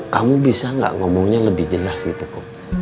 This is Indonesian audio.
kamu bisa nggak ngomongnya lebih jelas gitu kok